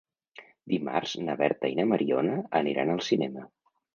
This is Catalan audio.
Dimarts na Berta i na Mariona aniran al cinema.